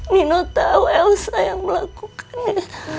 nino tahu elsa yang melakukannya